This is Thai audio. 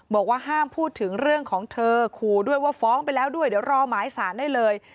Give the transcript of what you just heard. บอกว่าห้ามพูดถึงเรื่องของเธอขู่ด้วยว่าฟ้องไปแล้วด้วยเดี๋ยวรอหมายสารได้เลย